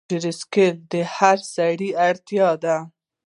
موټرسایکل د هر سړي اړتیا ده.